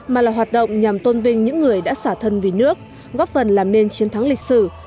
mà là hoạt động nhằm tôn vinh những người đã xả thân vì nước góp phần làm nên chiến thắng lịch sử